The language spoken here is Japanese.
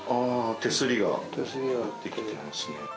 手すりが出来てますね。